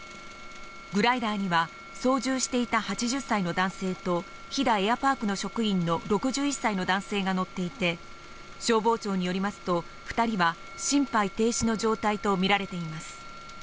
グライダーには操縦していた８０歳の男性と飛騨エアパークの職員の６１歳の男性が乗っていて、消防庁によりますと２人は心肺停止の状態とみられています。